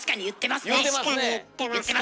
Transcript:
確かに言ってますね！